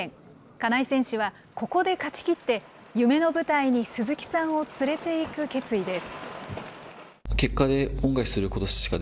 金井選手は、ここで勝ちきって、夢の舞台に鈴木さんを連れていく決意です。